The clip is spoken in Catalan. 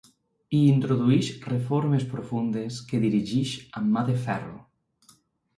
Hi introdueix reformes profundes que dirigeix amb mà de ferro.